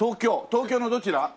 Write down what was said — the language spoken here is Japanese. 東京のどちら？